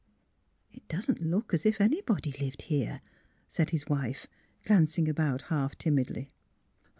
*' It doesn't look as if anybody lived here," said his wife, glancing about half timidly.